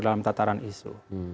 dalam tataran isu